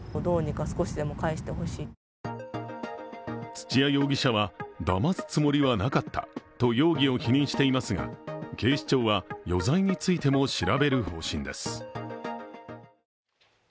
土屋容疑者はだますつもりはなかったと容疑を否認していますが、警視庁は余罪についても調べる方針です。